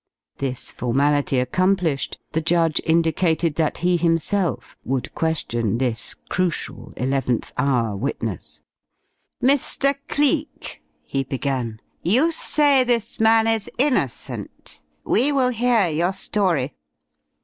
This formality accomplished, the judge indicated that he, himself, would question this crucial eleventh hour witness. "Mr. Cleek," he began, "you say this man is innocent. We will hear your story."